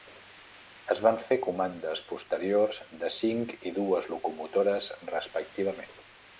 Es van fer comandes posteriors de cinc i dues locomotores respectivament.